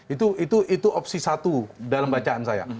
itu opsi satu dalam bacaan saya